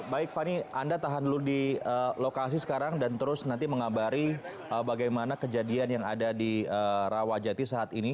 baik fani anda tahan dulu di lokasi sekarang dan terus nanti mengabari bagaimana kejadian yang ada di rawajati saat ini